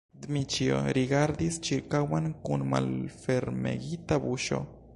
Dmiĉjo rigardis ĉirkaŭen kun malfermegita buŝo.